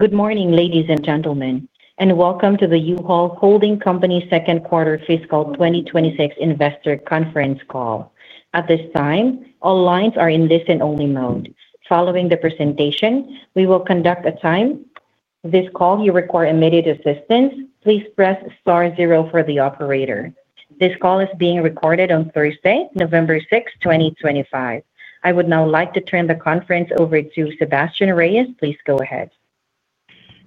Good morning, ladies and gentlemen, and welcome to the U-Haul Holding Company's second-quarter fiscal 2026 investor conference call. At this time, all lines are in listen-only mode. Following the presentation, we will conduct a timed call. If you require immediate assistance, please press star zero for the operator. This call is being recorded on Thursday, November 6, 2025. I would now like to turn the conference over to Sebastien Reyes. Please go ahead.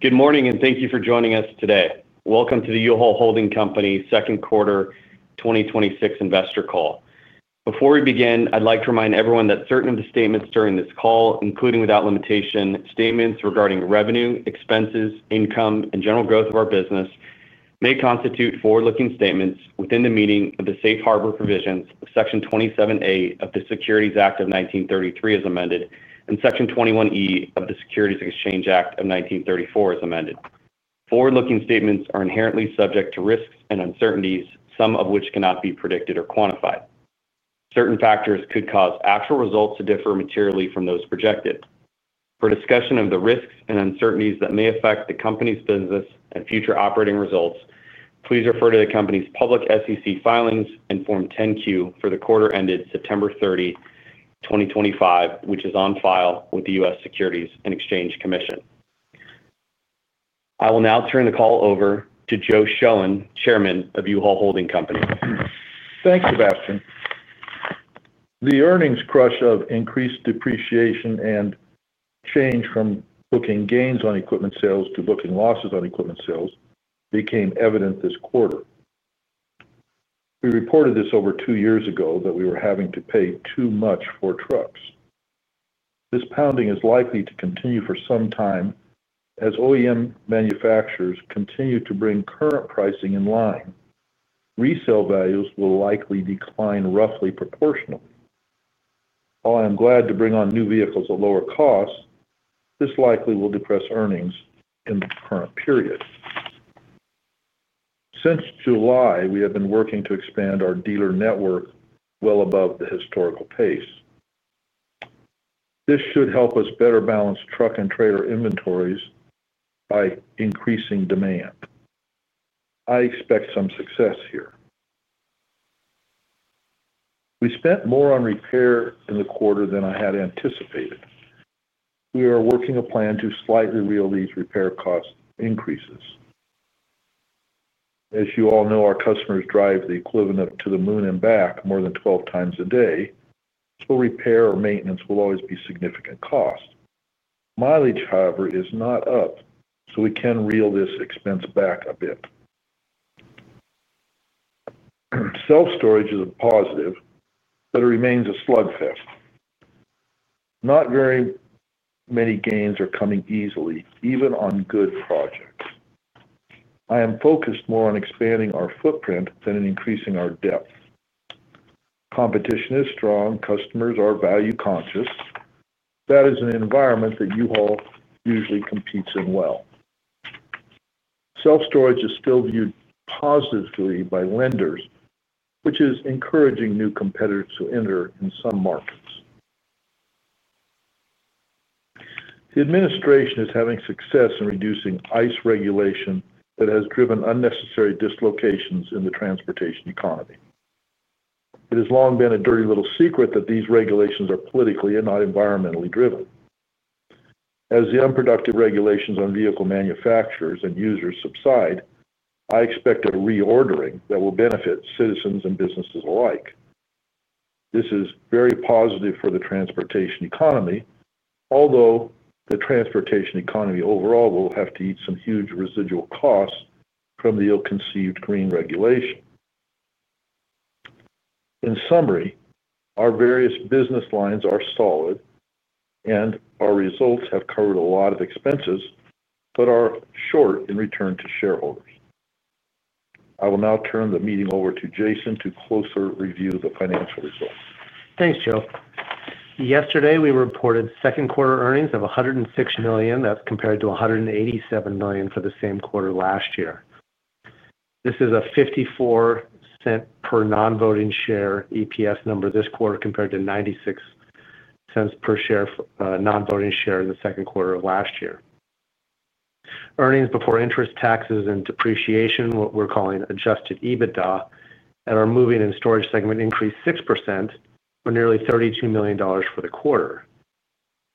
Good morning, and thank you for joining us today. Welcome to the U-Haul Holding Company's second-quarter 2026 investor call. Before we begin, I'd like to remind everyone that certain of the statements during this call, including, without limitation, statements regarding revenue, expenses, income, and general growth of our business, may constitute forward-looking statements within the meaning of the safe harbor provisions of Section 27A of the Securities Act of 1933 as amended, and Section 21E of the Securities Exchange Act of 1934 as amended. Forward-looking statements are inherently subject to risks and uncertainties, some of which cannot be predicted or quantified. Certain factors could cause actual results to differ materially from those projected. For discussion of the risks and uncertainties that may affect the company's business and future operating results, please refer to the company's public SEC filings in Form 10-Q for the quarter ended September 30, 2025, which is on file with the U.S. Securities and Exchange Commission. I will now turn the call over to Joe Shoen, Chairman of U-Haul Holding Company. Thanks, Sebastien. The earnings crush of increased depreciation and change from booking gains on equipment sales to booking losses on equipment sales became evident this quarter. We reported this over two years ago, that we were having to pay too much for trucks. This pounding is likely to continue for some time as OEM manufacturers continue to bring current pricing in line. Resale values will likely decline roughly proportionally. While I'm glad to bring on new vehicles at lower costs, this likely will depress earnings in the current period. Since July, we have been working to expand our dealer network well above the historical pace. This should help us better balance truck and trailer inventories. By increasing demand. I expect some success here. We spent more on repair in the quarter than I had anticipated. We are working a plan to slightly reel these repair cost increases. As you all know, our customers drive the equivalent of to the moon and back more than 12x a day, so repair or maintenance will always be a significant cost. Mileage, however, is not up, so we can reel this expense back a bit. Self-storage is a positive, but it remains a slugfest. Not very many gains are coming easily, even on good projects. I am focused more on expanding our footprint than in increasing our depth. Competition is strong. Customers are value-conscious. That is an environment that U-Haul usually competes in well. Self-storage is still viewed positively by lenders, which is encouraging new competitors to enter in some markets. The administration is having success in reducing ICE regulation that has driven unnecessary dislocations in the transportation economy. It has long been a dirty little secret that these regulations are politically and not environmentally driven. As the unproductive regulations on vehicle manufacturers and users subside, I expect a reordering that will benefit citizens and businesses alike. This is very positive for the transportation economy, although the transportation economy overall will have to eat some huge residual costs from the ill-conceived green regulation. In summary, our various business lines are solid, and our results have covered a lot of expenses but are short in return to shareholders. I will now turn the meeting over to Jason to closer review the financial results. Thanks, Joe. Yesterday, we reported second-quarter earnings of $106 million. That's compared to $187 million for the same quarter last year. This is a $0.54 per non-voting share EPS number this quarter compared to $0.96 per share non-voting share in the second quarter of last year. Earnings before interest, taxes, and depreciation, what we're calling Adjusted EBITDA, in our moving and storage segment increased 6% or nearly $32 million for the quarter.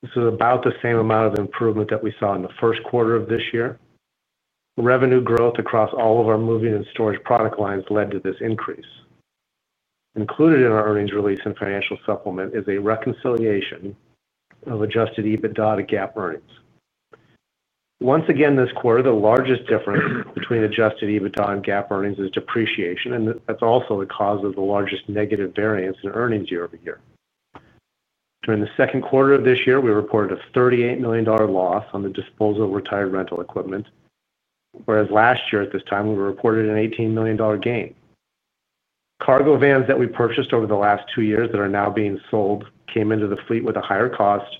This is about the same amount of improvement that we saw in the first quarter of this year. Revenue growth across all of our moving and storage product lines led to this increase. Included in our earnings release and financial supplement is a reconciliation of Adjusted EBITDA to GAAP earnings. Once again this quarter, the largest difference between Adjusted EBITDA and GAAP earnings is depreciation, and that's also the cause of the largest negative variance in earnings year over year. During the second quarter of this year, we reported a $38 million loss on the disposal of retired rental equipment. Whereas last year at this time, we reported an $18 million gain. Cargo vans that we purchased over the last two years that are now being sold came into the fleet with a higher cost.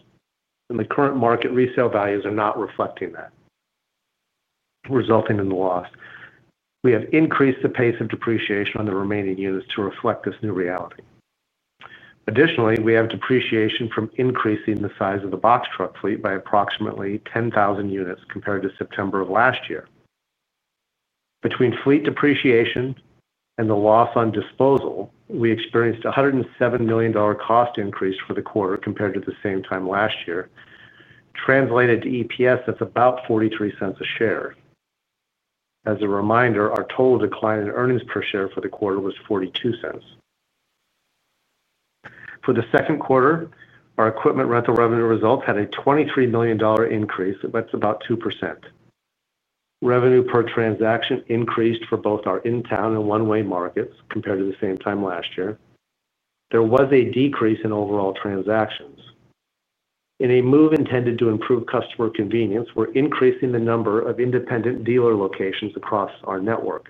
And the current market resale values are not reflecting that. Resulting in the loss. We have increased the pace of depreciation on the remaining units to reflect this new reality. Additionally, we have depreciation from increasing the size of the box truck fleet by approximately 10,000 units compared to September of last year. Between fleet depreciation and the loss on disposal, we experienced a $107 million cost increase for the quarter compared to the same time last year. Translated to EPS, that's about $0.43 a share. As a reminder, our total decline in earnings per share for the quarter was $0.42. For the second quarter, our equipment rental revenue results had a $23 million increase. That's about 2%. Revenue per transaction increased for both our in-town and one-way markets compared to the same time last year. There was a decrease in overall transactions. In a move intended to improve customer convenience, we're increasing the number of independent dealer locations across our network.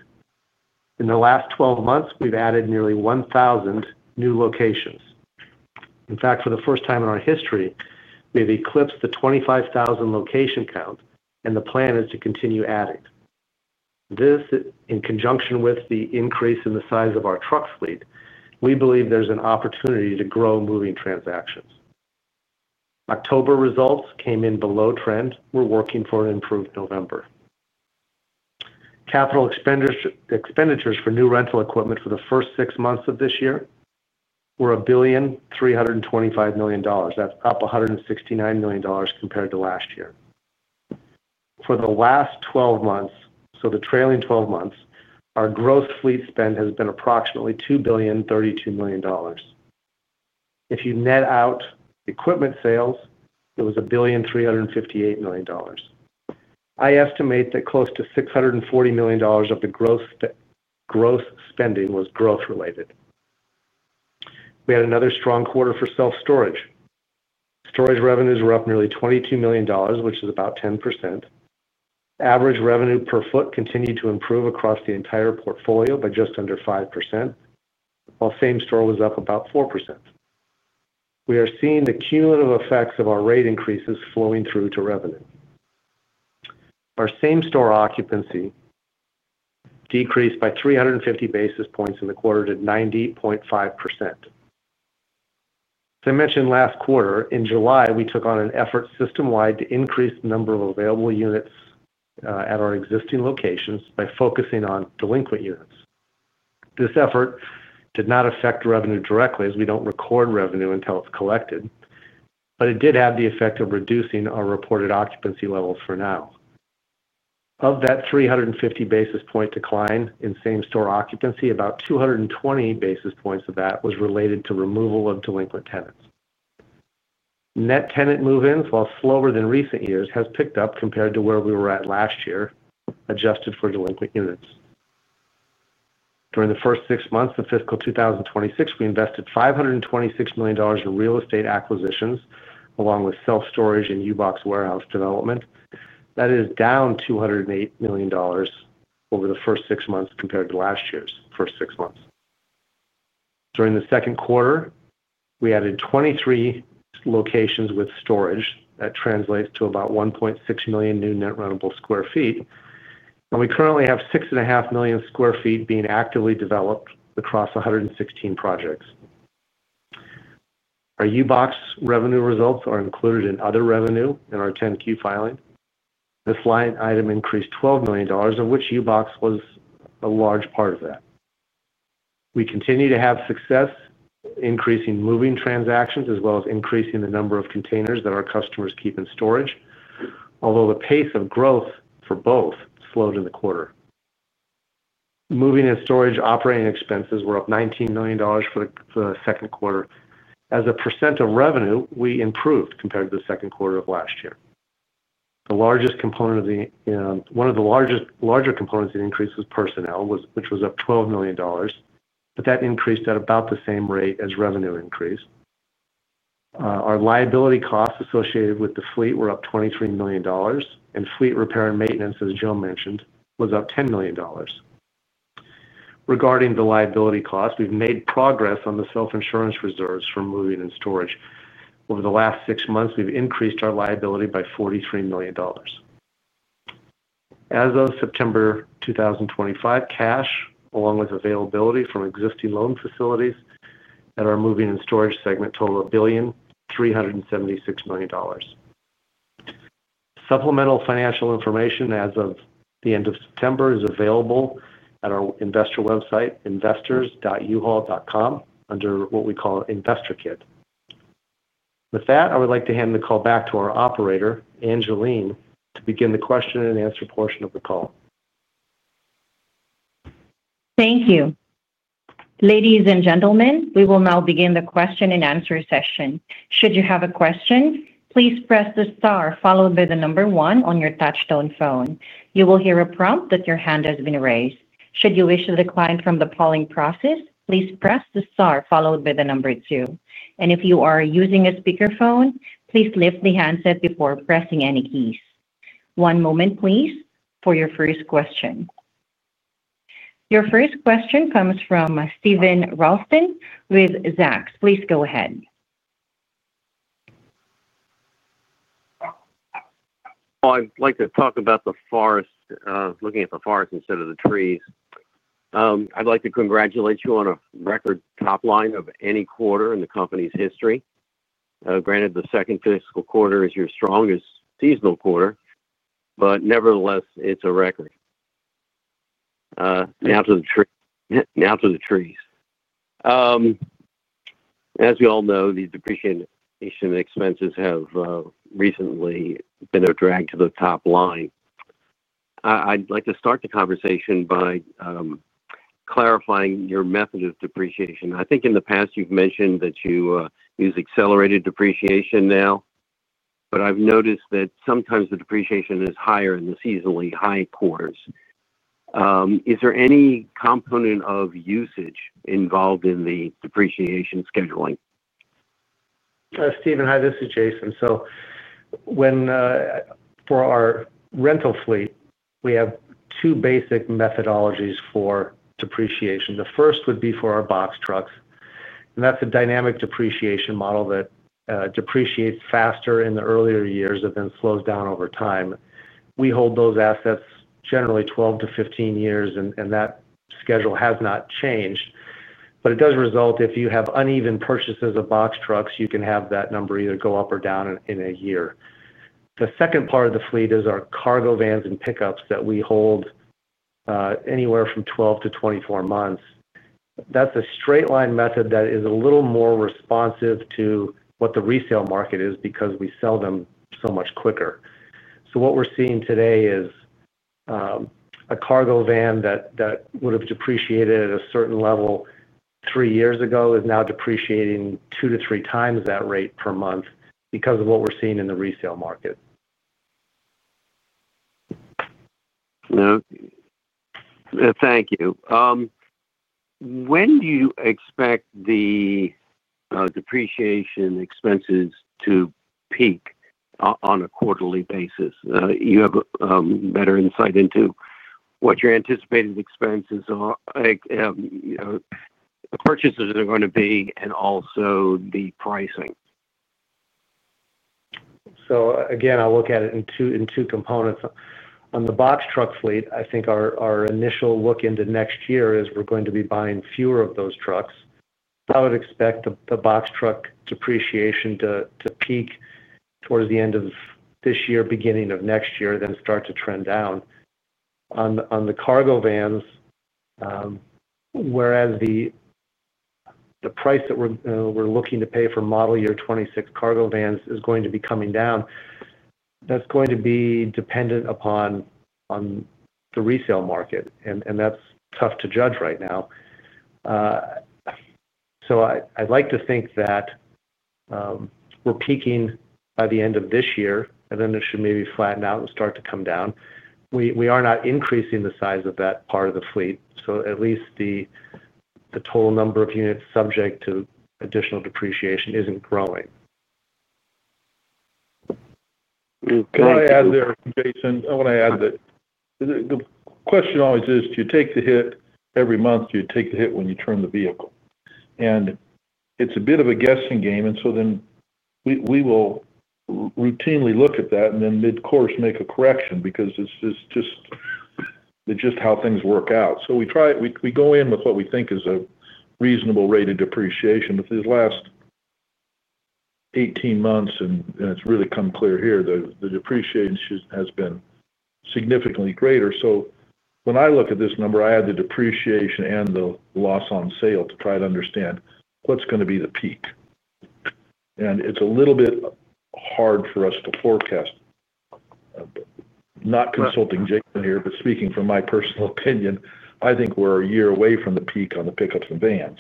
In the last 12 months, we've added nearly 1,000 new locations. In fact, for the first time in our history, we have eclipsed the 25,000 location count, and the plan is to continue adding. This, in conjunction with the increase in the size of our truck fleet, we believe there's an opportunity to grow moving transactions. October results came in below trend. We're working for an improved November. Capital expenditures for new rental equipment for the first six months of this year were $1,325 million. That's up $169 million compared to last year. For the last 12 months, so the trailing 12 months, our gross fleet spend has been approximately $2,032 million. If you net out equipment sales, it was $1,358 million. I estimate that close to $640 million of the gross spending was growth-related. We had another strong quarter for self-storage. Storage revenues were up nearly $22 million, which is about 10%. Average revenue per foot continued to improve across the entire portfolio by just under 5%. While same store was up about 4%. We are seeing the cumulative effects of our rate increases flowing through to revenue. Our same store occupancy decreased by 350 basis points in the quarter to 90.5%. As I mentioned last quarter, in July, we took on an effort system-wide to increase the number of available units at our existing locations by focusing on delinquent units. This effort did not affect revenue directly, as we do not record revenue until it is collected, but it did have the effect of reducing our reported occupancy levels for now. Of that 350 basis point decline in same store occupancy, about 220 basis points of that was related to removal of delinquent tenants. Net tenant move-ins, while slower than recent years, have picked up compared to where we were at last year adjusted for delinquent units. During the first six months of fiscal 2026, we invested $526 million in real estate acquisitions along with self-storage and U-Box warehouse development. That is down $208 million over the first six months compared to last year's first six months. During the second quarter, we added 23 locations with storage. That translates to about 1.6 million new net rentable sq ft. We currently have 6.5 million sq ft being actively developed across 116 projects. Our U-Box revenue results are included in other revenue in our 10-Q filing. This line item increased $12 million, of which U-Box was a large part of that. We continue to have success increasing moving transactions as well as increasing the number of containers that our customers keep in storage, although the pace of growth for both slowed in the quarter. Moving and storage operating expenses were up $19 million for the second quarter. As a percent of revenue, we improved compared to the second quarter of last year. The largest component of the—one of the larger components of the increase was personnel, which was up $12 million, but that increased at about the same rate as revenue increased. Our liability costs associated with the fleet were up $23 million, and fleet repair and maintenance, as Joe mentioned, was up $10 million. Regarding the liability costs, we've made progress on the self-insurance reserves for moving and storage. Over the last six months, we've increased our liability by $43 million. As of September 2025, cash, along with availability from existing loan facilities at our moving and storage segment, totaled $1,376 million. Supplemental financial information as of the end of September is available at our investor website, investors.uhall.com, under what we call Investor Kit. With that, I would like to hand the call back to our operator, Angeline, to begin the question-and-answer portion of the call. Thank you. Ladies and gentlemen, we will now begin the question-and-answer session. Should you have a question, please press the star followed by the number one on your touch-tone phone. You will hear a prompt that your hand has been raised. Should you wish to decline from the polling process, please press the star followed by the number two. If you are using a speakerphone, please lift the handset before pressing any keys. One moment, please, for your first question. Your first question comes from Steven Ralston with Zacks. Please go ahead. I'd like to talk about the forest, looking at the forest instead of the trees. I'd like to congratulate you on a record top line of any quarter in the company's history. Granted, the second fiscal quarter is your strongest seasonal quarter, but nevertheless, it's a record. Now to the trees. As we all know, these depreciation expenses have recently been dragged to the top line. I'd like to start the conversation by clarifying your method of depreciation. I think in the past, you've mentioned that you use accelerated depreciation now. But I've noticed that sometimes the depreciation is higher in the seasonally high quarters. Is there any component of usage involved in the depreciation scheduling? Steven, hi. This is Jason. For our rental fleet, we have two basic methodologies for depreciation. The first would be for our box trucks. That is a dynamic depreciation model that depreciates faster in the earlier years and then slows down over time. We hold those assets generally 12-15 years, and that schedule has not changed. It does result if you have uneven purchases of box trucks, you can have that number either go up or down in a year. The second part of the fleet is our cargo vans and pickups that we hold anywhere from 12-24 months. That is a straight-line method that is a little more responsive to what the resale market is because we sell them so much quicker. What we are seeing today is. A cargo van that would have depreciated at a certain level three years ago is now depreciating 2x-3x that rate per month because of what we're seeing in the resale market. Thank you. When do you expect the depreciation expenses to peak on a quarterly basis? You have better insight into what your anticipated expenses, purchases are going to be and also the pricing. Again, I'll look at it in two components. On the box truck fleet, I think our initial look into next year is we're going to be buying fewer of those trucks. I would expect the box truck depreciation to peak towards the end of this year, beginning of next year, then start to trend down. On the cargo vans, the price that we're looking to pay for model year 2026 cargo vans is going to be coming down. That's going to be dependent upon the resale market, and that's tough to judge right now. I'd like to think that we're peaking by the end of this year, and then it should maybe flatten out and start to come down. We are not increasing the size of that part of the fleet, so at least the total number of units subject to additional depreciation isn't growing. Okay. I want to add there, Jason. I want to add that. The question always is, do you take the hit every month? Do you take the hit when you turn the vehicle? It's a bit of a guessing game, and we will routinely look at that and then mid-course make a correction because it's just how things work out. We go in with what we think is a reasonable rate of depreciation. These last 18 months, and it's really come clear here, the depreciation has been significantly greater. When I look at this number, I add the depreciation and the loss on sale to try to understand what's going to be the peak. It's a little bit hard for us to forecast. Not consulting Jason here, but speaking from my personal opinion, I think we're a year away from the peak on the pickups and vans.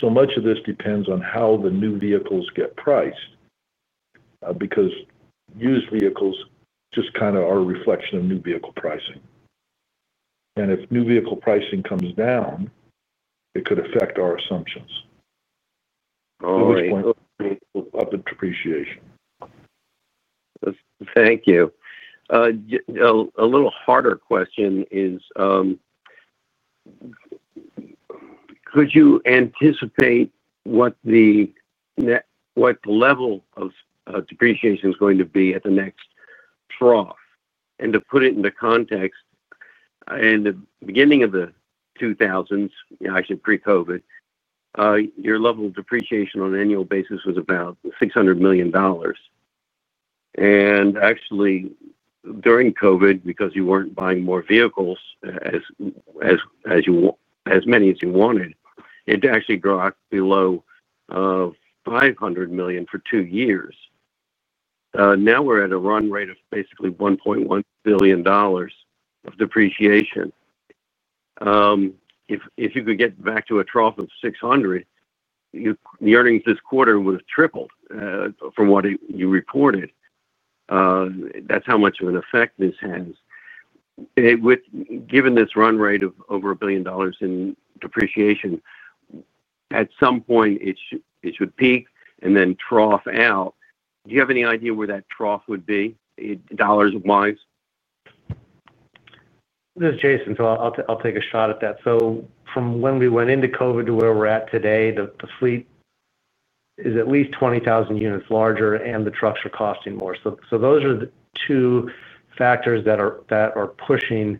So much of this depends on how the new vehicles get priced. Because used vehicles just kind of are a reflection of new vehicle pricing. If new vehicle pricing comes down, it could affect our assumptions. Oh, that's good. At which point we'll have the depreciation. Thank you. A little harder question is, could you anticipate what the level of depreciation is going to be at the next trough? To put it into context, in the beginning of the 2000s, actually pre-COVID, your level of depreciation on an annual basis was about $600 million. Actually, during COVID, because you weren't buying more vehicles, as many as you wanted, it actually dropped below $500 million for two years. Now we're at a run rate of basically $1.1 billion of depreciation. If you could get back to a trough of $600 million, the earnings this quarter would have tripled from what you reported. That's how much of an effect this has. Given this run rate of over $1 billion in depreciation, at some point, it should peak and then trough out. Do you have any idea where that trough would be, dollars-wise? This is Jason. I'll take a shot at that. From when we went into COVID to where we're at today, the fleet is at least 20,000 units larger, and the trucks are costing more. Those are the two factors that are pushing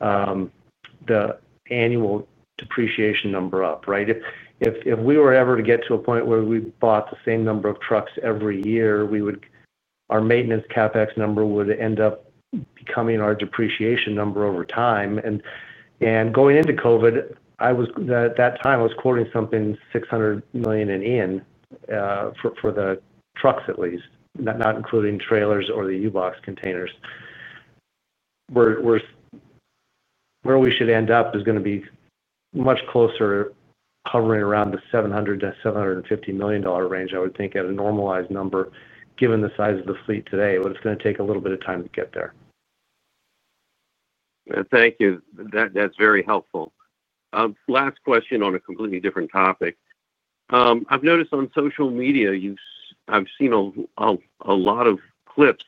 the annual depreciation number up, right? If we were ever to get to a point where we bought the same number of trucks every year, our maintenance CapEx number would end up becoming our depreciation number over time. Going into COVID, at that time, I was quoting something $600 million in for the trucks at least, not including trailers or the U-Box containers. Where we should end up is going to be much closer to hovering around the $700 million-$750 million range, I would think, at a normalized number, given the size of the fleet today. It's going to take a little bit of time to get there. Thank you. That's very helpful. Last question on a completely different topic. I've noticed on social media, I've seen a lot of clips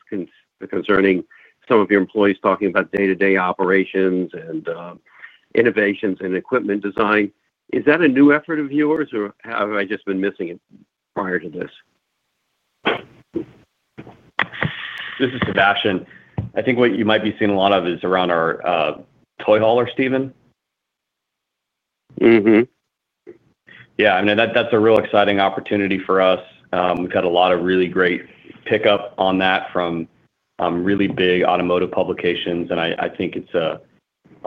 concerning some of your employees talking about day-to-day operations and innovations in equipment design. Is that a new effort of yours, or have I just been missing it prior to this? This is Sebastien. I think what you might be seeing a lot of is around our toy hauler, Steven. Mm-hmm. Yeah. I mean, that's a real exciting opportunity for us. We've got a lot of really great pickup on that from really big automotive publications. I think it's a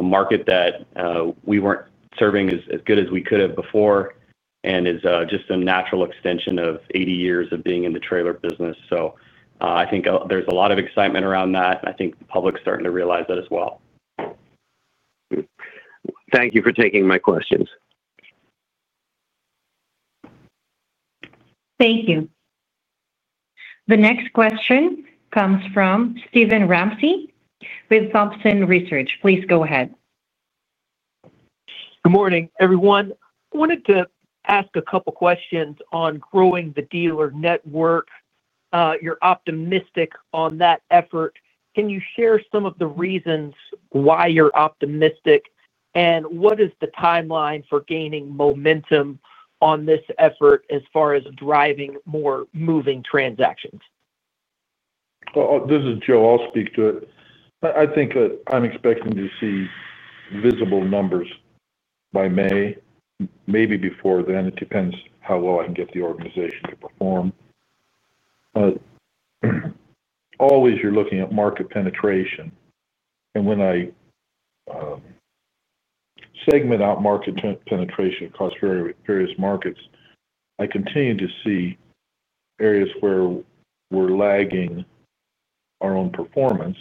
market that we weren't serving as good as we could have before and is just a natural extension of 80 years of being in the trailer business. I think there's a lot of excitement around that. I think the public's starting to realize that as well. Thank you for taking my questions. Thank you. The next question comes from Steven Ramsey with Thompson Research. Please go ahead. Good morning, everyone. I wanted to ask a couple of questions on growing the dealer network. You're optimistic on that effort. Can you share some of the reasons why you're optimistic, and what is the timeline for gaining momentum on this effort as far as driving more moving transactions? This is Joe. I'll speak to it. I think I'm expecting to see visible numbers by May, maybe before then. It depends how well I can get the organization to perform. Always, you're looking at market penetration. When I segment out market penetration across various markets, I continue to see areas where we're lagging our own performance.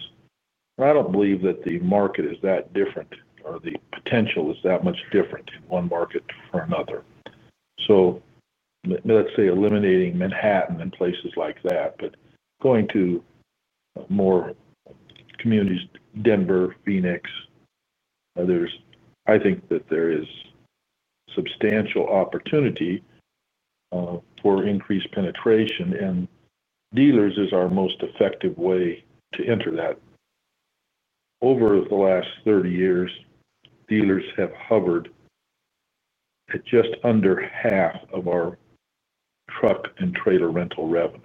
I don't believe that the market is that different or the potential is that much different in one market from another. Let's say eliminating Manhattan and places like that, but going to more communities: Denver, Phoenix. I think that there is substantial opportunity for increased penetration, and dealers is our most effective way to enter that. Over the last 30 years, dealers have hovered at just under half of our truck and trailer rental revenue.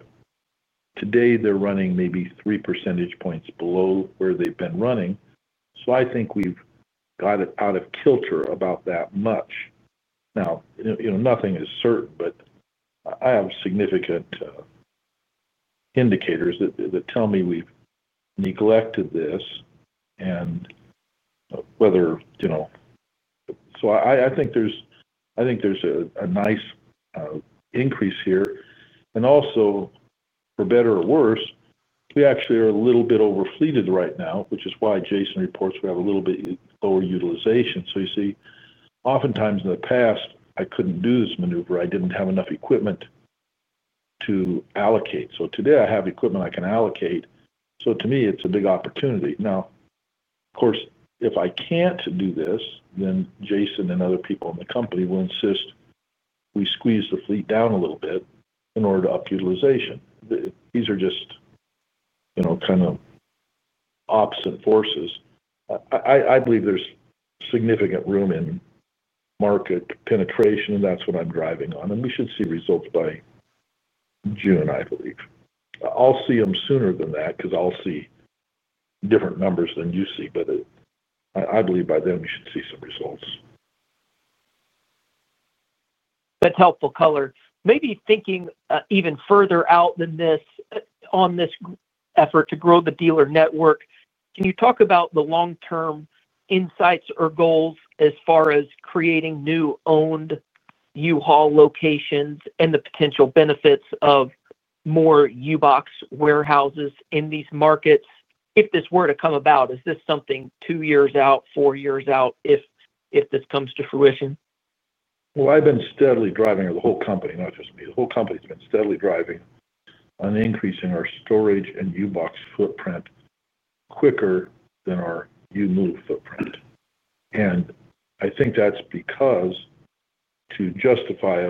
Today, they're running maybe 3 percentage points below where they've been running. I think we've got it out of kilter about that much. Nothing is certain, but I have significant indicators that tell me we've neglected this. Whether. I think there's a nice increase here. Also, for better or worse, we actually are a little bit overfleeted right now, which is why Jason reports we have a little bit lower utilization. You see, oftentimes in the past, I couldn't do this maneuver. I didn't have enough equipment to allocate. Today, I have equipment I can allocate. To me, it's a big opportunity. Of course, if I can't do this, then Jason and other people in the company will insist we squeeze the fleet down a little bit in order to up utilization. These are just kind of opposite forces. I believe there's significant room in market penetration, and that's what I'm driving on. We should see results by June, I believe. I'll see them sooner than that because I'll see different numbers than you see. I believe by then, we should see some results. That's helpful color. Maybe thinking even further out than this, on this effort to grow the dealer network, can you talk about the long-term insights or goals as far as creating new owned U-Haul locations and the potential benefits of more U-Box warehouses in these markets? If this were to come about, is this something two years out, four years out, if this comes to fruition? I have been steadily driving the whole company, not just me. The whole company has been steadily driving on increasing our storage and U-Box footprint, quicker than our U-Move footprint. I think that is because, to justify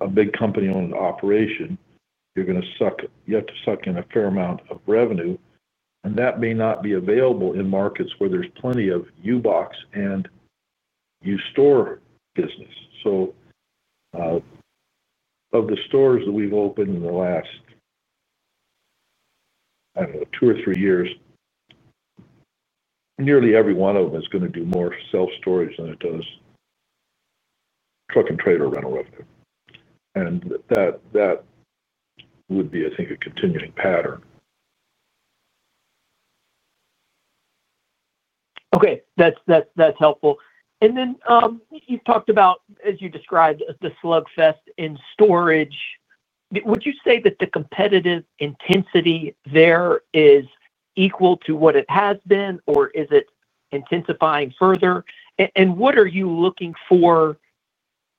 a big company-owned operation, you are going to suck; you have to suck in a fair amount of revenue. That may not be available in markets where there is plenty of U-Box and U-Store business. Of the stores that we have opened in the last, I do not know, two or three years, nearly every one of them is going to do more self-storage than it does truck and trailer rental revenue. That would be, I think, a continuing pattern. Okay. That's helpful. You talked about, as you described, the slugfest in storage. Would you say that the competitive intensity there is equal to what it has been, or is it intensifying further? What are you looking for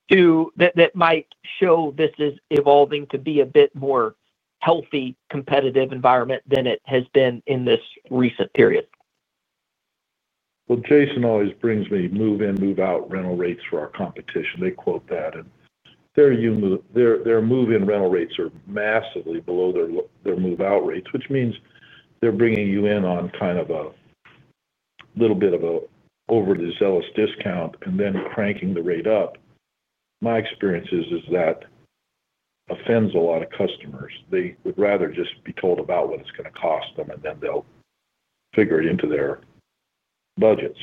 that might show this is evolving to be a bit more healthy competitive environment than it has been in this recent period? Jason always brings me move-in, move-out rental rates for our competition. They quote that. Their move-in rental rates are massively below their move-out rates, which means they're bringing you in on kind of a little bit of an overly zealous discount and then cranking the rate up. My experience is that offends a lot of customers. They would rather just be told about what it's going to cost them, and then they'll figure it into their budget.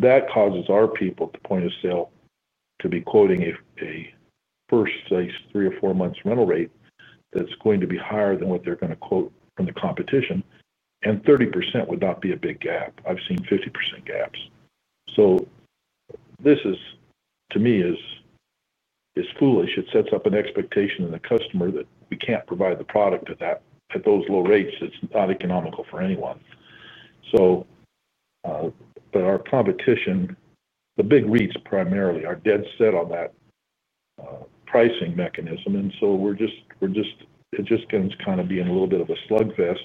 That causes our people at the point of sale to be quoting a first, say, three or four months rental rate that's going to be higher than what they're going to quote from the competition. A 30% gap would not be a big gap. I've seen 50% gaps. This to me is foolish. It sets up an expectation in the customer that we can't provide the product at those low rates. It's not economical for anyone. Our competition, the big rates primarily, are dead set on that pricing mechanism. We are just—it just comes kind of being a little bit of a slugfest.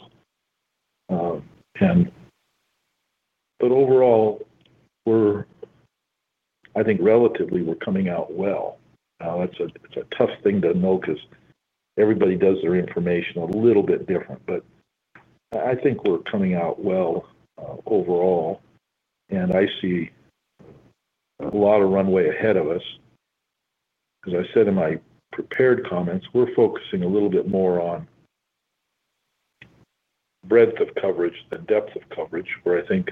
Overall, I think relatively, we're coming out well. Now, it's a tough thing to know because everybody does their information a little bit different. I think we're coming out well overall. I see a lot of runway ahead of us. As I said in my prepared comments, we're focusing a little bit more on breadth of coverage than depth of coverage, where I think,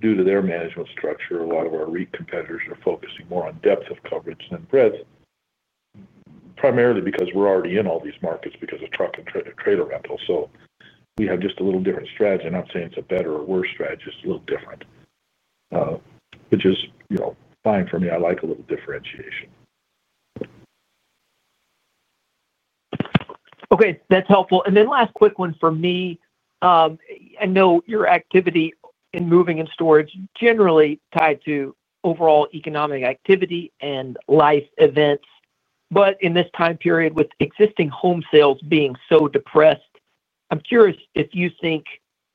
due to their management structure, a lot of our rate competitors are focusing more on depth of coverage than breadth. Primarily because we're already in all these markets because of truck and trailer rentals. We have just a little different strategy. I'm not saying it's a better or worse strategy. It's a little different. Which is fine for me. I like a little differentiation. Okay. That's helpful. Then last quick one for me. I know your activity in moving and storage is generally tied to overall economic activity and life events. In this time period, with existing home sales being so depressed, I'm curious if you think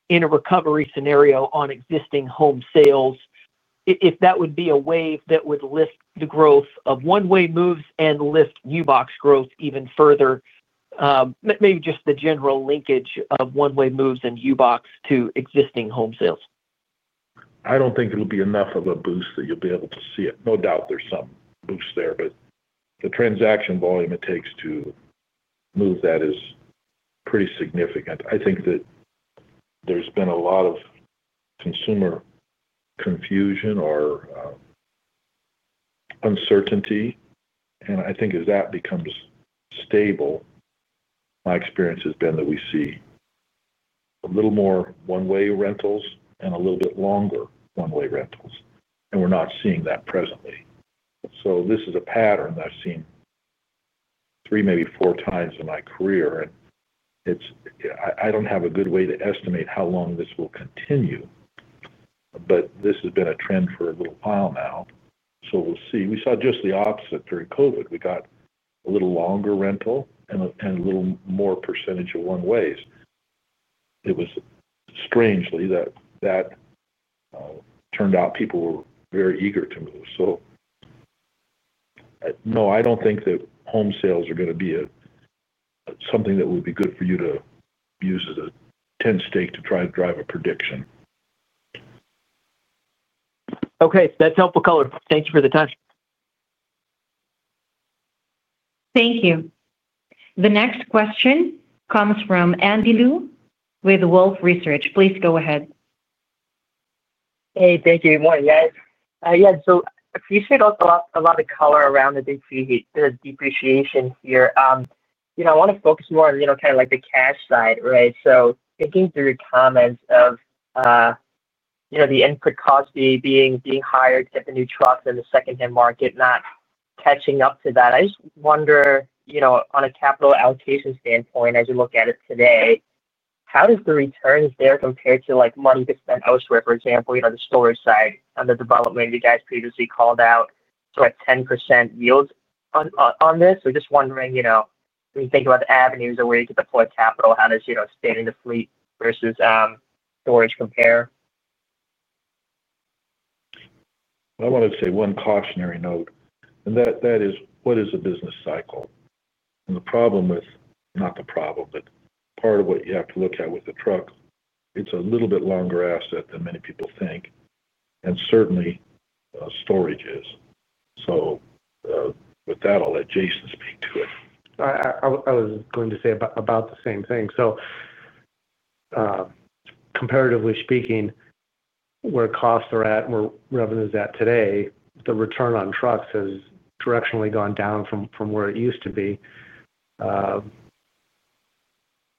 in a recovery scenario on existing home sales, if that would be a wave that would lift the growth of one-way moves and lift U-Box growth even further, maybe just the general linkage of one-way moves and U-Box to existing home sales. I don't think it'll be enough of a boost that you'll be able to see it. No doubt there's some boost there, but the transaction volume it takes to move that is pretty significant. I think that there's been a lot of consumer confusion or uncertainty. I think as that becomes stable, my experience has been that we see a little more one-way rentals and a little bit longer one-way rentals. We're not seeing that presently. This is a pattern that I've seen three, maybe four times in my career. I don't have a good way to estimate how long this will continue. This has been a trend for a little while now. We'll see. We saw just the opposite during COVID. We got a little longer rental and a little more percentage of one-ways. It was strangely that. Turned out people were very eager to move. No, I do not think that home sales are going to be something that would be good for you to use as a tent stake to try to drive a prediction. Okay. That's helpful color. Thank you for the time. Thank you. The next question comes from Andy Liu with Wolfe Research. Please go ahead. Hey, thank you. Good morning, guys. Yeah. You said a lot of color around the depreciation here. I want to focus more on kind of the cash side, right? Thinking through your comments of the input cost being higher to get the new trucks and the second-hand market not catching up to that, I just wonder, on a capital allocation standpoint, as you look at it today, how does the return there compare to money to spend elsewhere, for example, the storage side on the development you guys previously called out? A 10% yield on this. Just wondering, when you think about the avenues or where you could deploy capital, how does spanning the fleet versus storage compare? I want to say one cautionary note. That is, what is a business cycle? The problem with, not the problem, but part of what you have to look at with the truck, it's a little bit longer asset than many people think. Certainly, storage is. With that, I'll let Jason speak to it. I was going to say about the same thing. Comparatively speaking, where costs are at and where revenue is at today, the return on trucks has directionally gone down from where it used to be.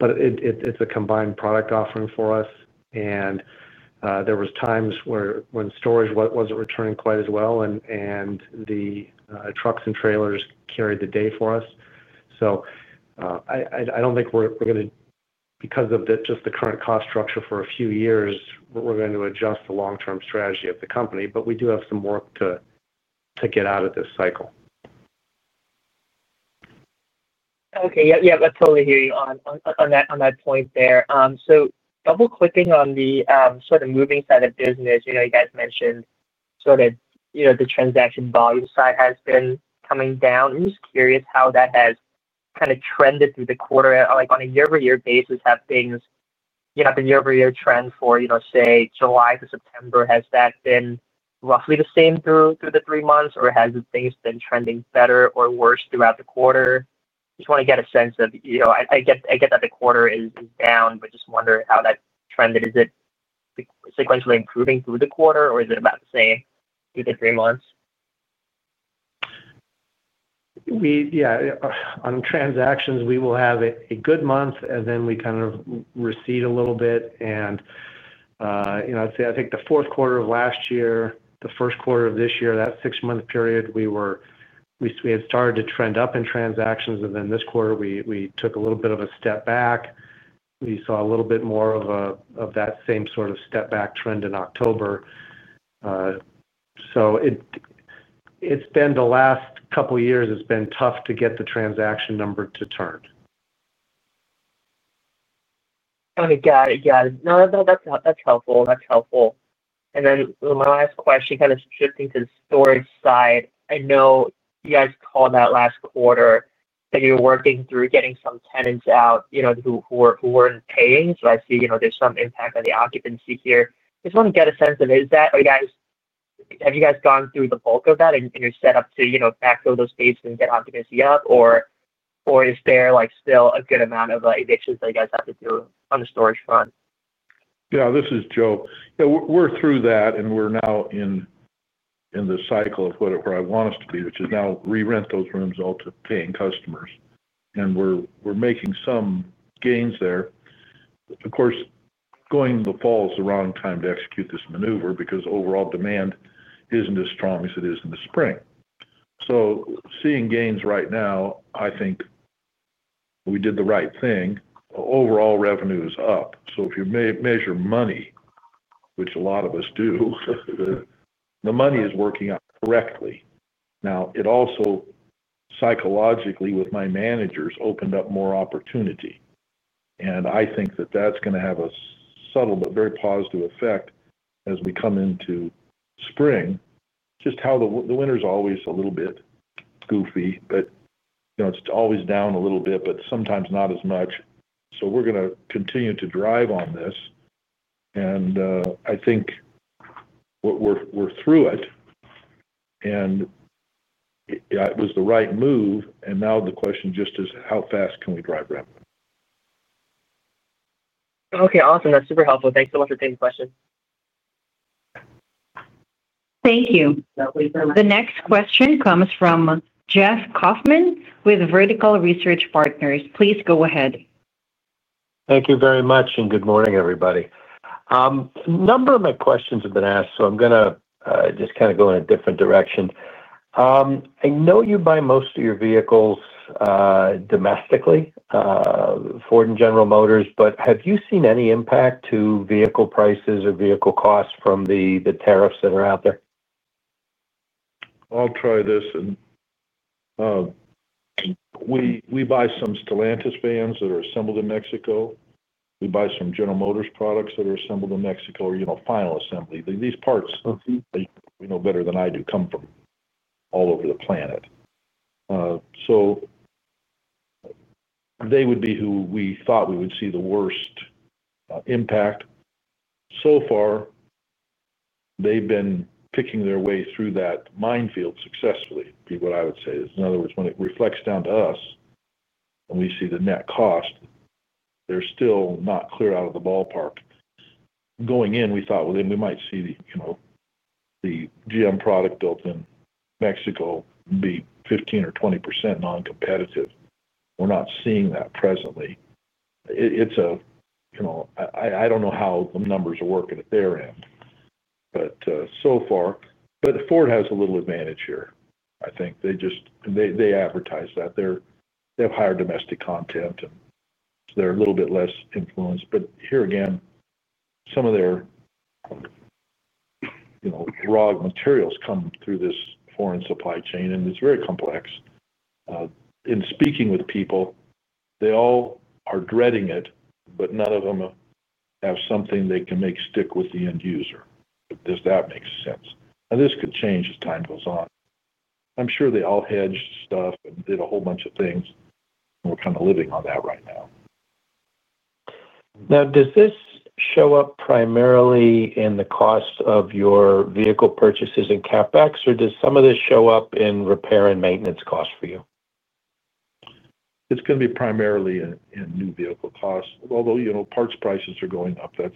It is a combined product offering for us. There were times when storage was not returning quite as well, and the trucks and trailers carried the day for us. I do not think we are going to, because of just the current cost structure for a few years, we are going to adjust the long-term strategy of the company. We do have some work to get out of this cycle. Okay. Yeah. I totally hear you on that point there. Double-clicking on the sort of moving side of business, you guys mentioned sort of the transaction volume side has been coming down. I'm just curious how that has kind of trended through the quarter. On a year-over-year basis, have things—the year-over-year trend for, say, July to September—has that been roughly the same through the three months, or have things been trending better or worse throughout the quarter? Just want to get a sense of—I get that the quarter is down, but just wondering how that trended. Is it sequentially improving through the quarter, or is it about the same through the three months? Yeah. On transactions, we will have a good month, and then we kind of recede a little bit. I would say I think the fourth quarter of last year, the first quarter of this year, that six-month period, we had started to trend up in transactions. Then this quarter, we took a little bit of a step back. We saw a little bit more of that same sort of step-back trend in October. It has been the last couple of years, it has been tough to get the transaction number to turn. Got it. Got it. No, that's helpful. That's helpful. And then my last question, kind of shifting to the storage side, I know you guys called out last quarter that you were working through getting some tenants out who weren't paying. I see there's some impact on the occupancy here. I just want to get a sense of, is that—are you guys—have you guys gone through the bulk of that and you're set up to backfill those spaces and get occupancy up? Or is there still a good amount of evictions that you guys have to do on the storage front? Yeah. This is Joe. Yeah. We're through that, and we're now in the cycle of where I want us to be, which is now re-rent those rooms all to paying customers. We're making some gains there. Of course, going into the fall is the wrong time to execute this maneuver because overall demand isn't as strong as it is in the spring. Seeing gains right now, I think we did the right thing. Overall revenue is up. If you measure money, which a lot of us do, the money is working out correctly. It also, psychologically, with my managers, opened up more opportunity. I think that that's going to have a subtle but very positive effect as we come into spring. Just how the winter's always a little bit goofy, but it's always down a little bit, but sometimes not as much. We're going to continue to drive on this. I think we're through it. It was the right move. Now the question just is, how fast can we drive revenue? Okay. Awesome. That's super helpful. Thanks so much for taking the question. Thank you. The next question comes from Jeff Kauffman with Vertical Research Partners. Please go ahead. Thank you very much, and good morning, everybody. A number of my questions have been asked, so I'm going to just kind of go in a different direction. I know you buy most of your vehicles domestically. Ford and General Motors. But have you seen any impact to vehicle prices or vehicle costs from the tariffs that are out there? I'll try this. We buy some Stellantis vans that are assembled in Mexico. We buy some General Motors products that are assembled in Mexico, or final assembly. These parts, you know better than I do, come from all over the planet. They would be who we thought we would see the worst impact. So far, they've been picking their way through that minefield successfully, would be what I would say. In other words, when it reflects down to us and we see the net cost, they're still not clear out of the ballpark. Going in, we thought we might see the GM product built in Mexico be 15%-20% non-competitive. We're not seeing that presently. I don't know how the numbers are working at their end. So far, Ford has a little advantage here, I think. They advertise that. They have higher domestic content, and they're a little bit less influenced. Here again, some of their raw materials come through this foreign supply chain, and it's very complex. In speaking with people, they all are dreading it, but none of them have something they can make stick with the end user, if that makes sense. Now, this could change as time goes on. I'm sure they all hedge stuff and did a whole bunch of things, and we're kind of living on that right now. Now, does this show up primarily in the cost of your vehicle purchases and CapEx, or does some of this show up in repair and maintenance costs for you? It's going to be primarily in new vehicle costs. Although parts prices are going up, that's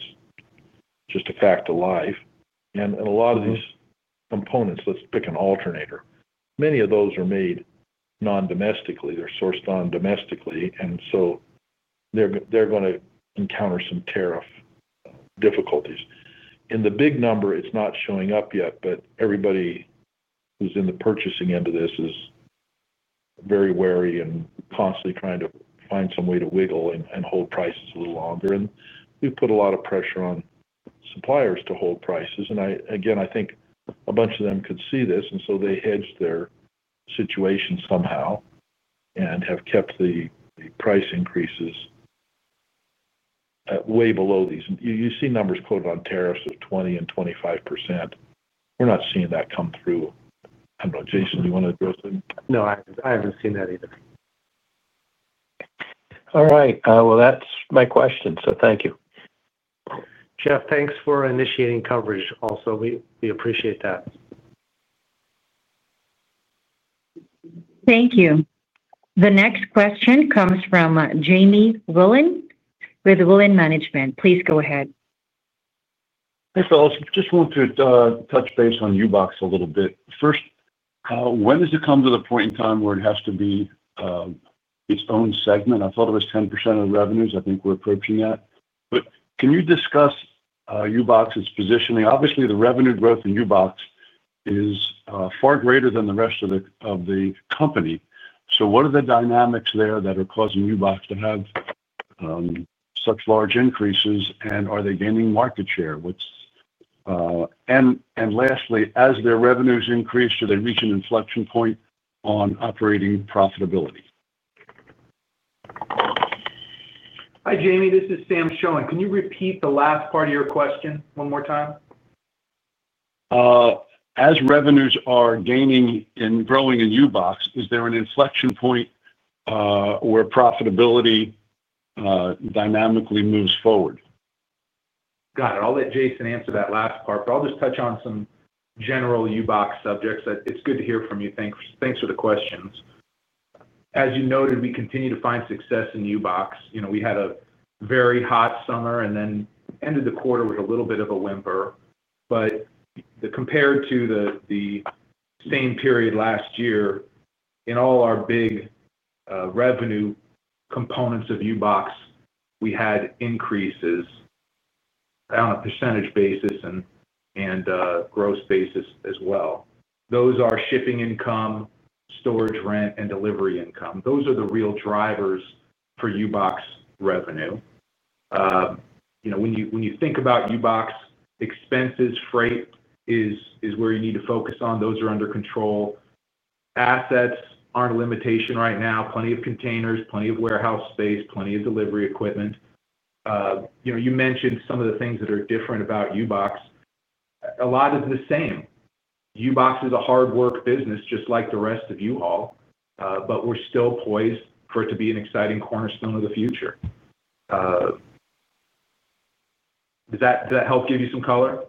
just a fact of life. And a lot of these components, let's pick an alternator, many of those are made non-domestically. They're sourced non-domestically. They're going to encounter some tariff difficulties. In the big number, it's not showing up yet, but everybody who's in the purchasing end of this is very wary and constantly trying to find some way to wiggle and hold prices a little longer. We've put a lot of pressure on suppliers to hold prices. I think a bunch of them could see this, and so they hedged their situation somehow and have kept the price increases way below these. You see numbers quoted on tariffs of 20% and 25%. We're not seeing that come through. I don't know. Jason, do you want to address it? No, I haven't seen that either. All right, that's my question. Thank you. Jeff, thanks for initiating coverage also. We appreciate that. Thank you. The next question comes from Jamie Wilen with Wilen Management. Please go ahead. Thanks, Alison. Just wanted to touch base on U-Box a little bit. First, when does it come to the point in time where it has to be its own segment? I thought it was 10% of the revenues. I think we're approaching that. Can you discuss U-Box's positioning? Obviously, the revenue growth in U-Box is far greater than the rest of the company. What are the dynamics there that are causing U-Box to have such large increases, and are they gaining market share? Lastly, as their revenues increase, do they reach an inflection point on operating profitability? Hi, Jamie. This is Sam Shoen. Can you repeat the last part of your question one more time? As revenues are gaining and growing in U-Box, is there an inflection point where profitability dynamically moves forward? Got it. I'll let Jason answer that last part. I'll just touch on some general U-Box subjects. It's good to hear from you. Thanks for the questions. As you noted, we continue to find success in U-Box. We had a very hot summer, and then ended the quarter with a little bit of a whimper. Compared to the same period last year, in all our big revenue components of U-Box, we had increases on a percentage basis and gross basis as well. Those are shipping income, storage rent, and delivery income. Those are the real drivers for U-Box revenue. When you think about U-Box expenses, freight is where you need to focus on. Those are under control. Assets aren't a limitation right now. Plenty of containers, plenty of warehouse space, plenty of delivery equipment. You mentioned some of the things that are different about U-Box. A lot is the same. U-Box is a hardwork business, just like the rest of U-Haul, but we're still poised for it to be an exciting cornerstone of the future. Does that help give you some color?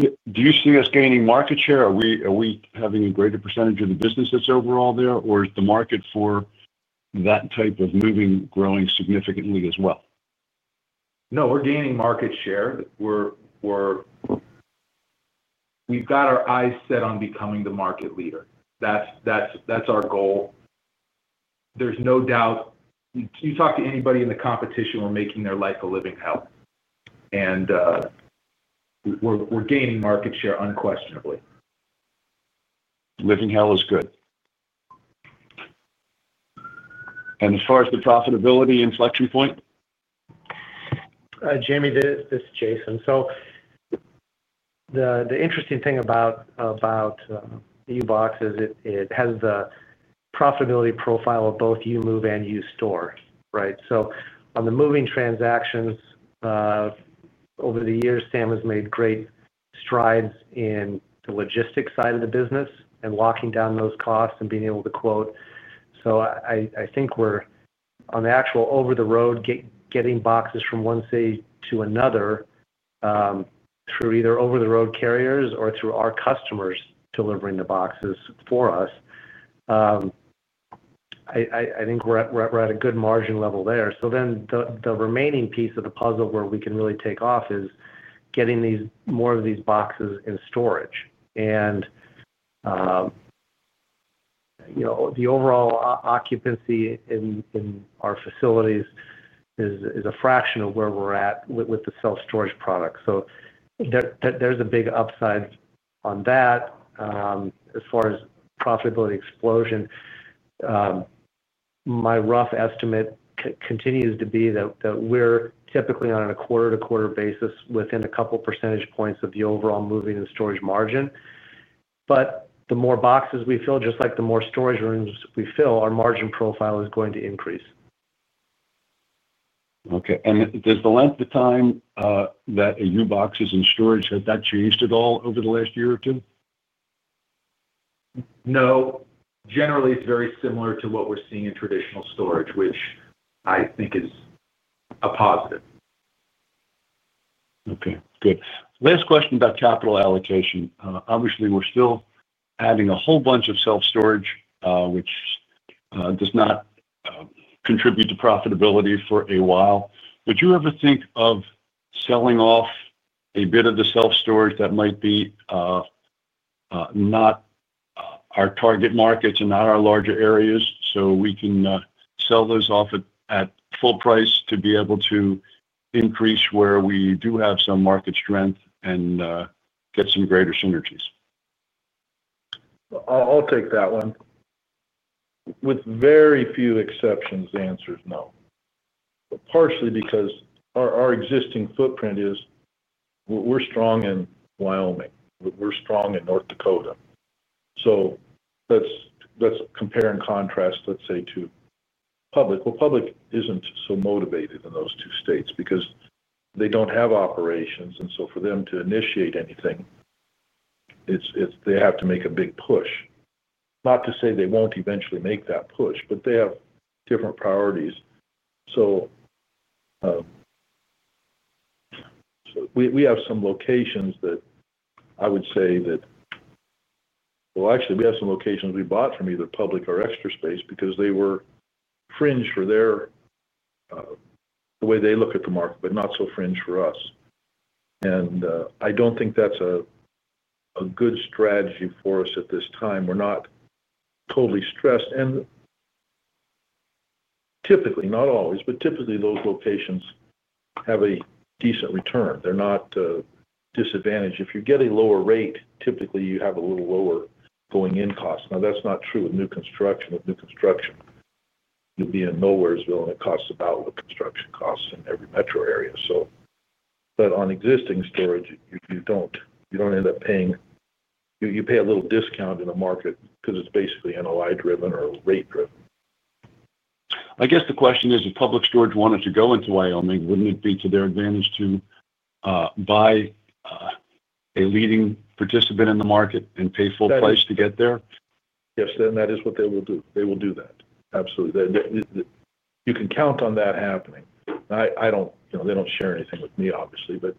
Do you see us gaining market share? Are we having a greater percentage of the business that's overall there? Or is the market for that type of moving growing significantly as well? No, we're gaining market share. We've got our eyes set on becoming the market leader. That's our goal. There's no doubt you talk to anybody in the competition, we're making their life a living hell. We're gaining market share unquestionably. Living hell is good. As far as the profitability inflection point? Jamie, this is Jason. The interesting thing about U-Box is it has the profitability profile of both U-Move and U-Store, right? On the moving transactions, over the years, Sam has made great strides in the logistics side of the business and locking down those costs and being able to quote. I think we are on the actual over-the-road getting boxes from one city to another, through either over-the-road carriers or through our customers delivering the boxes for us. I think we are at a good margin level there. The remaining piece of the puzzle where we can really take off is getting more of these boxes in storage. The overall occupancy in our facilities is a fraction of where we are at with the self-storage product. There is a big upside on that as far as profitability explosion. My rough estimate continues to be that we're typically on a quarter-to-quarter basis within a couple of percentage points of the overall moving and storage margin. The more boxes we fill, just like the more storage rooms we fill, our margin profile is going to increase. Okay. Does the length of time that a U-Box is in storage, has that changed at all over the last year or two? No. Generally, it's very similar to what we're seeing in traditional storage, which I think is a positive. Okay. Good. Last question about capital allocation. Obviously, we're still adding a whole bunch of self-storage, which does not contribute to profitability for a while. Would you ever think of selling off a bit of the self-storage that might be not our target markets and not our larger areas so we can sell those off at full price to be able to increase where we do have some market strength and get some greater synergies? I'll take that one. With very few exceptions, the answer is no. Partially because our existing footprint is. We're strong in Wyoming. We're strong in North Dakota. That is compare and contrast, let's say, to Public. Public isn't so motivated in those two states because they don't have operations. For them to initiate anything, they have to make a big push. Not to say they won't eventually make that push, but they have different priorities. We have some locations that I would say that. Actually, we have some locations we bought from either Public or Extra Space because they were fringe for their way they look at the market, but not so fringe for us. I don't think that's a good strategy for us at this time. We're not totally stressed. Typically, not always, but typically, those locations have a decent return. They're not disadvantaged. If you get a lower rate, typically, you have a little lower going-in cost. Now, that's not true with new construction. With new construction, you'll be in Nowheresville, and it costs about what construction costs in every metro area. On existing storage, you don't end up paying. You pay a little discount in the market because it's basically NOI-driven or rate-driven. I guess the question is, if Public Storage wanted to go into Wyoming, would it not be to their advantage to buy a leading participant in the market and pay full price to get there? Yes. Then that is what they will do. They will do that. Absolutely. You can count on that happening. I don't—they don't share anything with me, obviously. But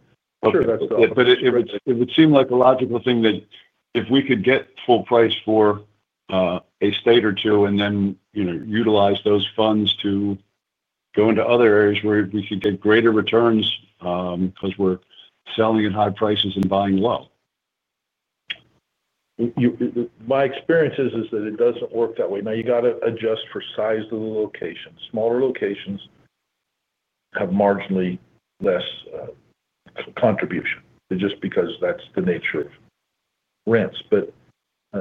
sure, that's the— It would seem like a logical thing that if we could get full price for a state or two and then utilize those funds to go into other areas where we could get greater returns because we're selling at high prices and buying low. My experience is that it doesn't work that way. Now, you got to adjust for size of the location. Smaller locations. Have marginally less. Contribution just because that's the nature of. Rents. But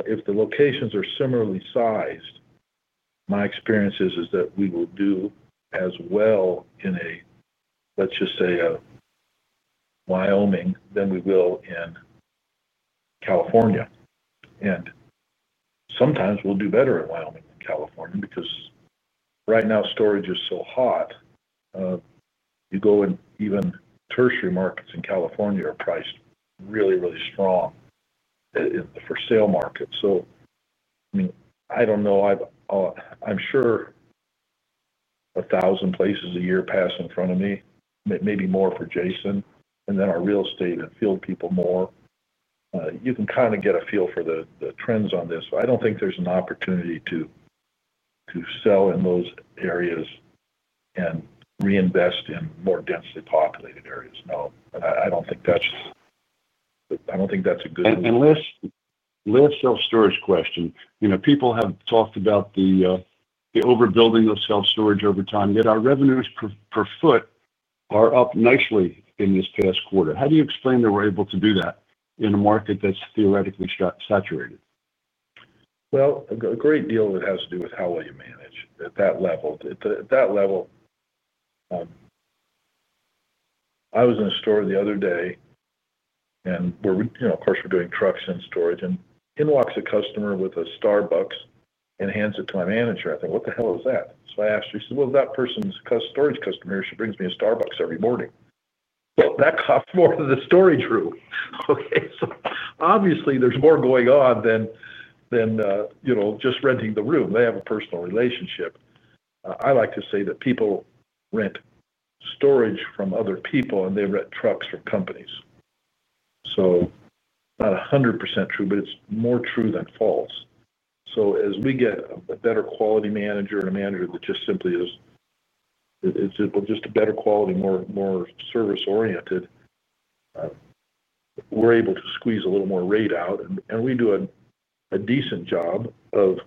if the locations are similarly sized, my experience is that we will do as well in a, let's just say. Wyoming than we will in. California. And. Sometimes we'll do better in Wyoming than California because right now, storage is so hot. You go in, even tertiary markets in California are priced really, really strong. For sale markets. So I mean, I don't know. I'm sure. A thousand places a year pass in front of me, maybe more for Jason, and then our real estate and field people more. You can kind of get a feel for the trends on this. I don't think there's an opportunity to. Sell in those areas. Reinvest in more densely populated areas. No. I don't think that's—I don't think that's a good— And Last Self-storage question. People have talked about the. Overbuilding of self-storage over time. Yet our revenues per foot are up nicely in this past quarter. How do you explain that we're able to do that in a market that's theoretically saturated? Well, a great deal of it has to do with how well you manage at that level. At that level. I was in a store the other day. And of course, we're doing trucks and storage. And in walks a customer with a Starbucks and hands it to my manager. I think, "What the hell is that?" So I asked her. She said, "Well, that person's a storage customer. She brings me a Starbucks every morning." Well, that costs more than the storage room. Okay. So obviously, there's more going on than. Just renting the room. They have a personal relationship. I like to say that people rent storage from other people, and they rent trucks from companies. So. Not 100% true, but it's more true than false. So as we get a better quality manager and a manager that just simply is. Well, just a better quality, more service-oriented. We're able to squeeze a little more rate out. We do a decent job of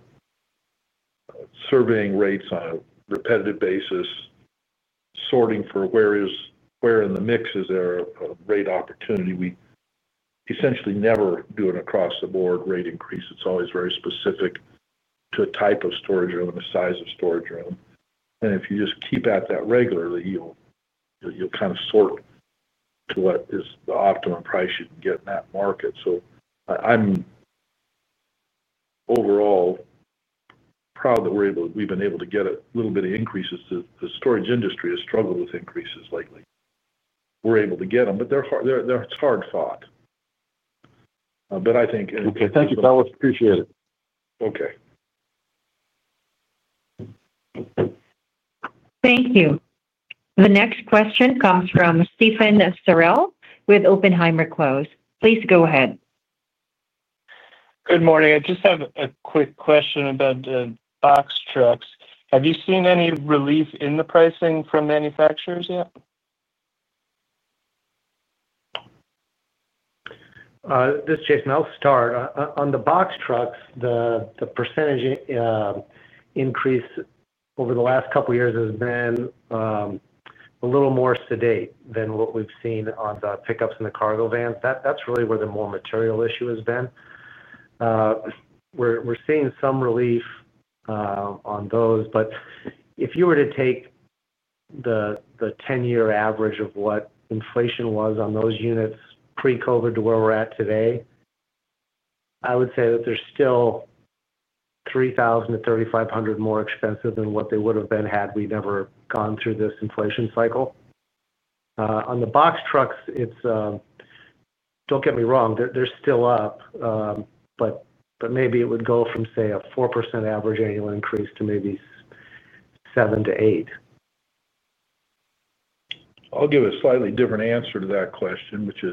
surveying rates on a repetitive basis, sorting for where in the mix is there a rate opportunity. We essentially never do an across-the-board rate increase. It's always very specific to a type of storage room and the size of storage room. If you just keep at that regularly, you'll kind of sort to what is the optimum price you can get in that market. I'm overall proud that we've been able to get a little bit of increases. The storage industry has struggled with increases lately. We're able to get them, but it's hard-fought. I think. Okay. Thank you. I appreciate it. Okay. Thank you. The next question comes from Stephen Farrell with Oppenheimer Close. Please go ahead. Good morning. I just have a quick question about. Box trucks. Have you seen any relief in the pricing from manufacturers yet? This is Jason. I'll start. On the box trucks, the percentage. Increase over the last couple of years has been. A little more sedate than what we've seen on the pickups and the cargo vans. That's really where the more material issue has been. We're seeing some relief. On those. But if you were to take. The 10-year average of what inflation was on those units pre-COVID to where we're at today. I would say that they're still. 3,000-3,500 more expensive than what they would have been had we never gone through this inflation cycle. On the box trucks. Don't get me wrong, they're still up. But maybe it would go from, say, a 4% average annual increase to maybe. 7%-8%. I'll give a slightly different answer to that question, which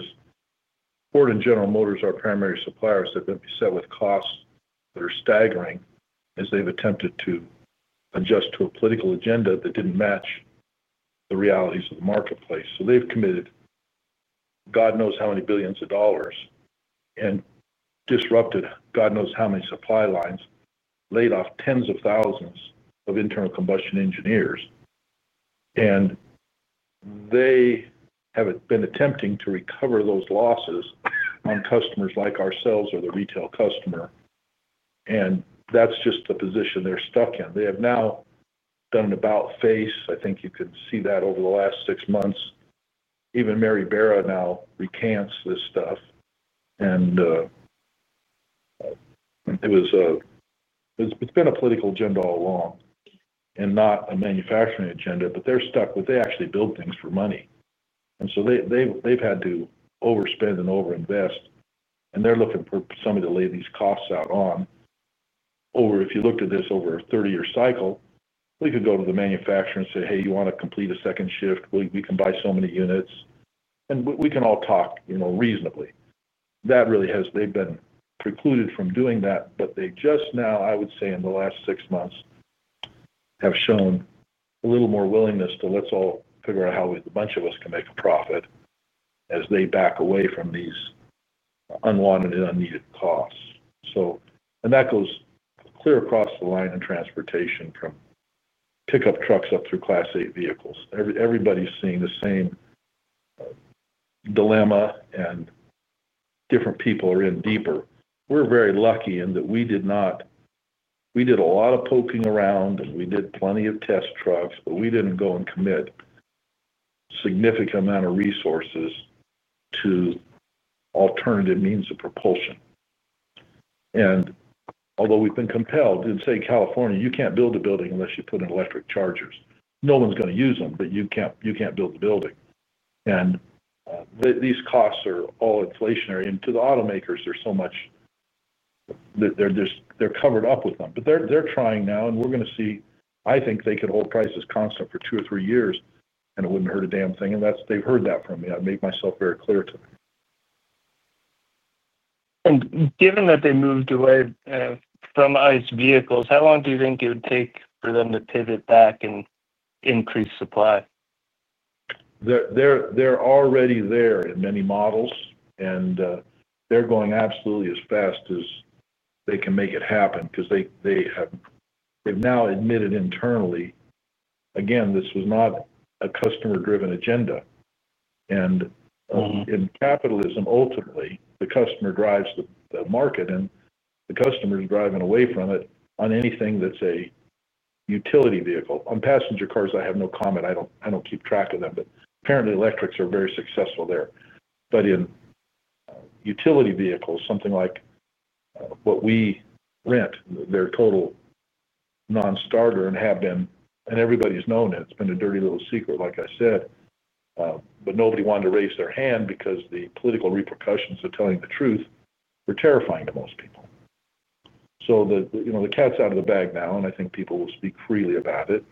is. Ford and General Motors are primary suppliers that have been beset with costs that are staggering as they've attempted to. Adjust to a political agenda that didn't match. The realities of the marketplace. So they've committed. God knows how many billions of dollars and disrupted God knows how many supply lines, laid off tens of thousands of internal combustion engineers. And. They have been attempting to recover those losses on customers like ourselves or the retail customer. And that's just the position they're stuck in. They have now done an about-face. I think you could see that over the last six months. Even Mary Barra now recants this stuff. And. It's. Been a political agenda all along. And not a manufacturing agenda. But they're stuck with they actually build things for money. And so they've had to overspend and overinvest. And they're looking for somebody to lay these costs out on. Over, if you looked at this over a 30-year cycle, we could go to the manufacturer and say, "Hey, you want to complete a second shift? We can buy so many units." And we can all talk reasonably. They've been precluded from doing that. But they just now, I would say, in the last six months. Have shown a little more willingness to, "Let's all figure out how a bunch of us can make a profit as they back away from these. Unwanted and unneeded costs." And that goes clear across the line in transportation from. Pickup trucks up through Class 8 vehicles. Everybody's seeing the same. Dilemma, and. Different people are in deeper. We're very lucky in that we did not. We did a lot of poking around, and we did plenty of test trucks, but we did not go and commit a significant amount of resources to alternative means of propulsion. Although we have been compelled in, say, California, "You cannot build a building unless you put in electric chargers." No one is going to use them, but you cannot build the building. These costs are all inflationary. To the automakers, there is so much. They are covered up with them. They are trying now, and we are going to see. I think they could hold prices constant for two or three years, and it would not hurt a damn thing. They have heard that from me. I made myself very clear to them. Given that they moved away from ICE vehicles, how long do you think it would take for them to pivot back and increase supply? They're already there in many models, and they're going absolutely as fast as they can make it happen because they've now admitted internally, again, this was not a customer-driven agenda. In capitalism, ultimately, the customer drives the market, and the customer is driving away from it on anything that's a utility vehicle. On passenger cars, I have no comment. I don't keep track of them. Apparently, electrics are very successful there. In utility vehicles, something like what we rent, they're a total non-starter and have been, and everybody's known it. It's been a dirty little secret, like I said. Nobody wanted to raise their hand because the political repercussions of telling the truth were terrifying to most people. The cat's out of the bag now, and I think people will speak freely about it.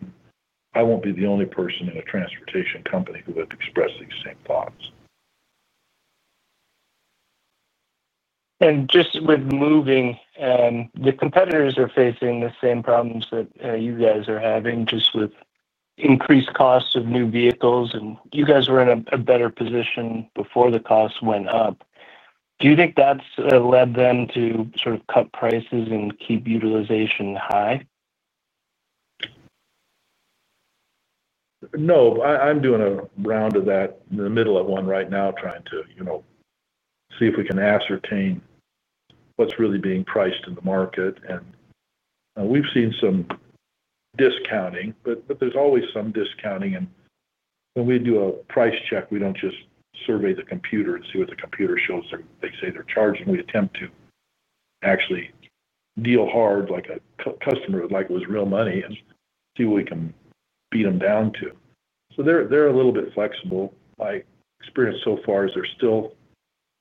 I won't be the only person in a transportation company who had expressed these same thoughts. And just with moving. The competitors are facing the same problems that you guys are having just with increased costs of new vehicles. And you guys were in a better position before the costs went up. Do you think that's led them to sort of cut prices and keep utilization high? No. I'm doing a round of that in the middle of one right now, trying to see if we can ascertain what's really being priced in the market. We've seen some discounting, but there's always some discounting. When we do a price check, we don't just survey the computer and see what the computer shows they say they're charging. We attempt to actually deal hard like a customer would, like it was real money, and see what we can beat them down to. They're a little bit flexible. My experience so far is they're still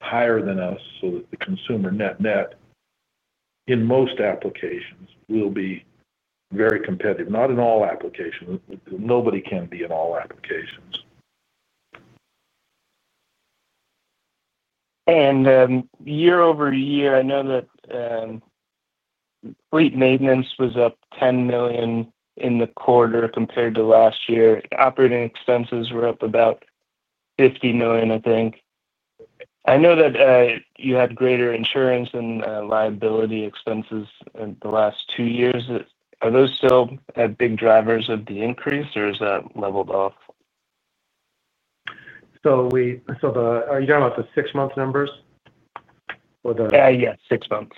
higher than us, so the consumer net-net in most applications will be very competitive. Not in all applications. Nobody can be in all applications. Year over year, I know that fleet maintenance was up $10 million in the quarter compared to last year. Operating expenses were up about $50 million, I think. I know that you had greater insurance and liability expenses in the last two years. Are those still big drivers of the increase, or is that leveled off? Are you talking about the six-month numbers or the? Yeah. Six months.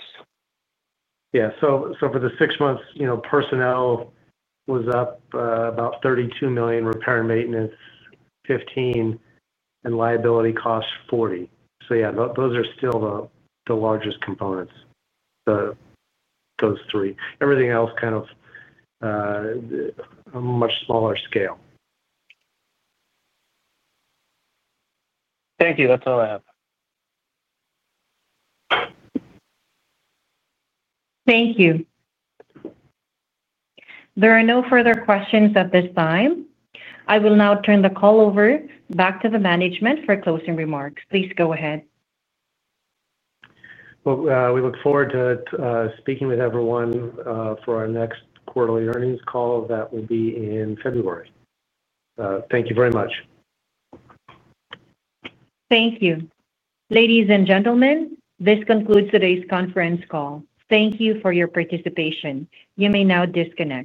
Yeah. For the six months, personnel was up about $32 million, repair and maintenance $15 million, and liability costs $40 million. Those are still the largest components, those three. Everything else is kind of a much smaller scale. Thank you. That's all I have. Thank you. There are no further questions at this time. I will now turn the call over back to the management for closing remarks. Please go ahead. We look forward to speaking with everyone for our next quarterly earnings call. That will be in February. Thank you very much. Thank you. Ladies and gentlemen, this concludes today's conference call. Thank you for your participation. You may now disconnect.